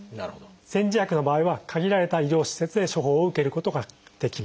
煎じ薬の場合は限られた医療施設で処方を受けることができます。